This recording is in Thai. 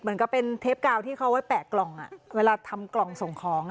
เหมือนกับเป็นเทปกาวที่เขาไว้แปะกล่องเวลาทำกล่องส่งของ